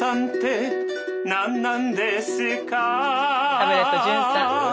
タブレット純さん。